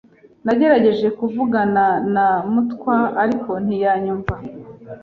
Nagerageje kuvugana na Mutwa, ariko ntiyanyumva.